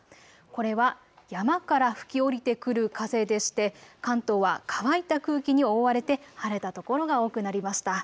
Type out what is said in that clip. これは山から吹き降りてくる風でして関東は乾いた空気に覆われて晴れた所が多くなりました。